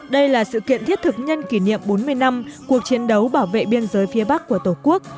đây là sự kiện thiết thực nhân kỷ niệm bốn mươi năm cuộc chiến đấu bảo vệ biên giới phía bắc của tổ quốc